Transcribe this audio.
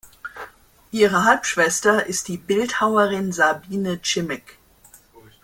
Ihre Halbschwester ist die Bildhauerin Sabina Grzimek.